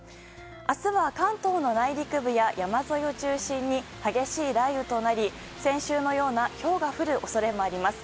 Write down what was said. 明日は関東の内陸部や山沿いを中心に激しい雷雨となり先週のようなひょうが降る恐れもあります。